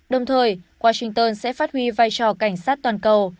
đồng thời washington sẽ phát huy vai trò cảnh sát toàn cầu